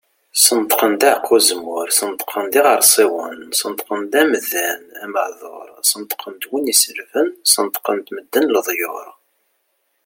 Sneṭqen-d aɛeqqa uzemmur, Sneṭqen-d iɣersiwen, Sneṭqen-d amdan ameɛdur, Sneṭqen-d win iselben, Sneṭqen-d medden leḍyur.